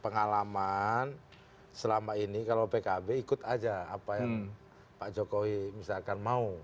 pengalaman selama ini kalau pkb ikut aja apa yang pak jokowi misalkan mau